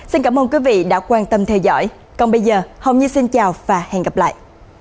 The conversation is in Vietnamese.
xin cảm ơn quý vị đã quan tâm theo dõi còn bây giờ hầu như xin chào và hẹn gặp lại